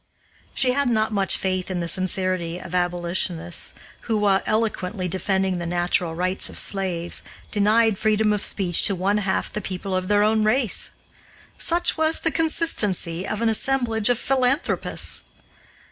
She had not much faith in the sincerity of abolitionists who, while eloquently defending the natural rights of slaves, denied freedom of speech to one half the people of their own race. Such was the consistency of an assemblage of philanthropists!